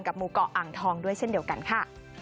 หมู่เกาะอ่างทองด้วยเช่นเดียวกันค่ะ